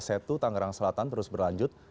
setu tangerang selatan terus berlanjut